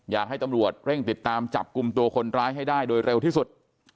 อยากให้ตำรวจเร่งติดตามจับกลุ่มตัวคนร้ายให้ได้โดยเร็วที่สุด